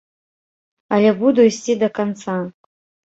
Але буду ісці да канца.